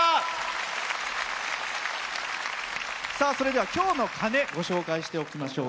それでは今日の鐘ご紹介しておきましょう。